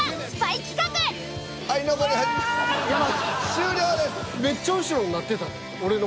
終了です。